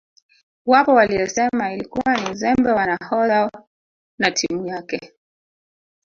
Wapo waliosema ilikuwa ni uzembe wa nahodha na timu yake